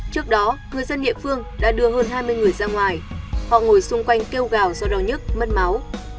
trước đó người dân địa phương đã đưa hơn hai mươi người ra ngoài họ ngồi xung quanh kêu gào do đau nhức mất máu